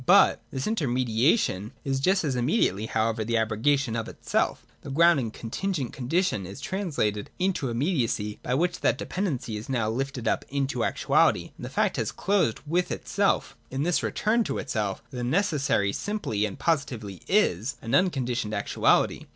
But this inter mediation is just as immediately however^ the abrogation of itself The ground and contingent condition is trans lated into immediacy, by which that dependency is now lifted up into actuality, and the fact has closed with itself. In this return to itself the necessary simply and positively is, as unconditioned actuality.